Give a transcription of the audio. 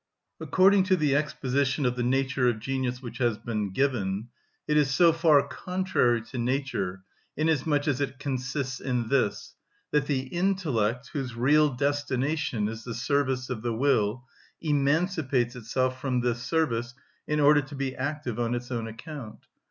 According to the exposition of the nature of genius which has been given, it is so far contrary to nature, inasmuch as it consists in this, that the intellect, whose real destination is the service of the will, emancipates itself from this service in order to be active on its own account.